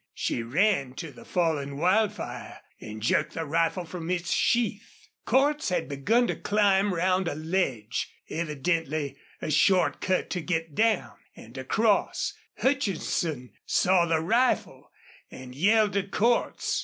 She ran to the fallen Wildfire and jerked the rifle from its sheath. Cordts had begun to climb round a ledge, evidently a short cut to get down and across. Hutchinson saw the rifle and yelled to Cordts.